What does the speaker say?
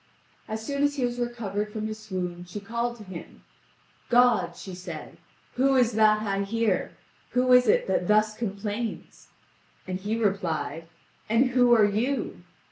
As soon as he was recovered from his swoon, she called to him: "God," said she, "who is that I hear? Who is it that thus complains?" And he replied: "And who are you?"